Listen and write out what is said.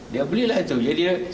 dia belilah itu jadi